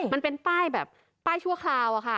มันเป็นป้ายแบบป้ายชั่วคราวอะค่ะ